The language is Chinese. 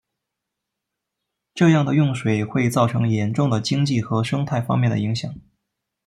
这样的用水会造成严重的经济和生态方面的影响。